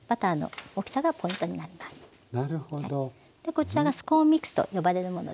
こちらがスコーンミックスと呼ばれるものですね。